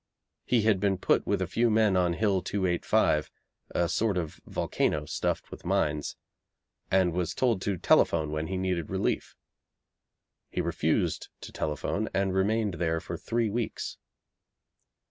He had been put with a few men on Hill 285, a sort of volcano stuffed with mines, and was told to telephone when he needed relief. He refused to telephone and remained there for three weeks.